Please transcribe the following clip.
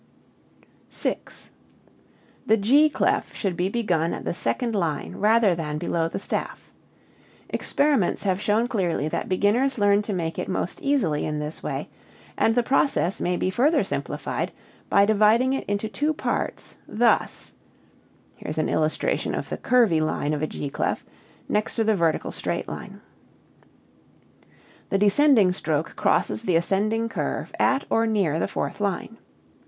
6. The G clef should be begun at the second line rather than below the staff. Experiments have shown clearly that beginners learn to make it most easily in this way, and the process may be further simplified by dividing it into two parts, thus. The descending stroke crosses the ascending curve at or near the fourth line.